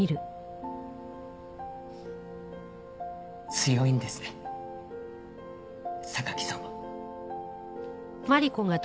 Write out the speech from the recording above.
強いんですね榊さんは。